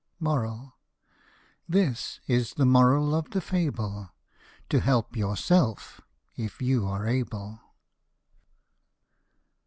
This is the moral of the fable, To help yourself if you are able.